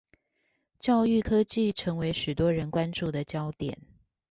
教育科技成為許多人關注的焦點